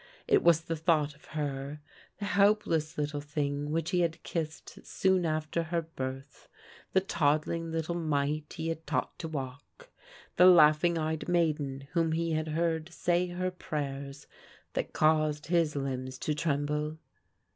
It was the thought of her, the helpless little thing which he had kissed soon after her birth, the tod dling little mite he had taught to walk, the laughing eyed maiden whom he had heard say her prayers, that caused his limbs to tremble.